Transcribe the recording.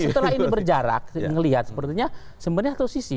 setelah ini berjarak ngelihat sepertinya sebenarnya satu sisi